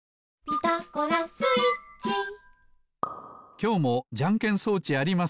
きょうもじゃんけん装置あります。